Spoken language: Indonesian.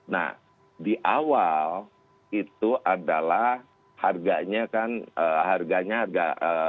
nah di awal itu adalah harganya kan harganya harga